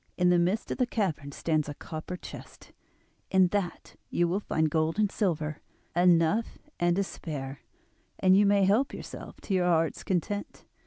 In the midst of the cavern stands a copper chest, in that you will find gold and silver, enough and to spare, and you may help yourself to your heart's content.